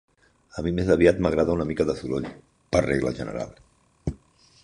A mi més aviat m'agrada una mica de soroll, per regla general.